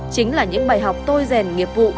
chính là những bài học tôi rèn nghiệp vụ